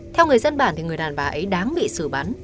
theo người dân bản người đàn bà ấy đáng bị xử bắn